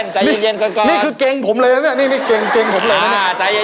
ใจเย็นก่อนนี่คือเกงผมเลยนะนี่เกงผมเลยนะ